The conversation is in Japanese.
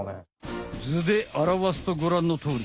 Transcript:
ずであらわすとごらんのとおり。